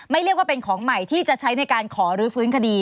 เรียกว่าเป็นของใหม่ที่จะใช้ในการขอรื้อฟื้นคดี